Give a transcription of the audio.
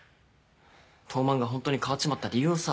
東卍がホントに変わっちまった理由をさ。